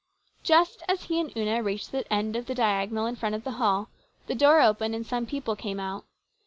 Just as he and Una reached the end of the diagonal in front of the hall, the door opened and some people came out.